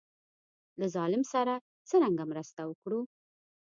له ظالم سره څرنګه مرسته وکړو.